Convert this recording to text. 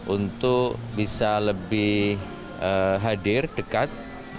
untuk bisa lebih hadir dekat